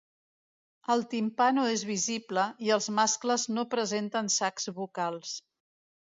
El timpà no és visible, i els mascles no presenten sacs vocals.